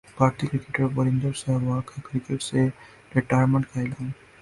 بھارتی کرکٹر وریندر سہواگ کا کرکٹ سے ریٹائرمنٹ کا اعلان